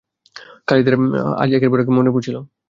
খালিদ এর আজ একের পর এক মনে পড়ছিল।